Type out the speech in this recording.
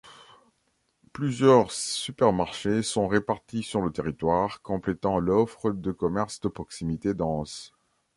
Plusieurs supermarchés sont répartis sur le territoire, complétant l’offre de commerces de proximité dense.